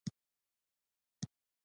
د زغم او نرمښت میتود لري.